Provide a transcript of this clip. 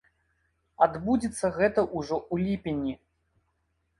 Адбудзецца гэта ўжо ў ліпені.